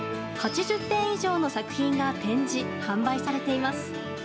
８０点以上の作品が展示・販売されています。